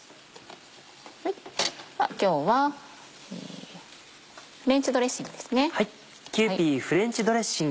今日は「フレンチドレッシング」ですね。